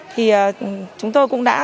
thì chúng tôi cũng đã